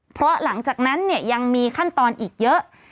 เพราะหลังจากนั้นเนี่ยยังมีขั้นตอนอีกเยอะ